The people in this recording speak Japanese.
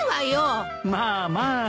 まあまあ。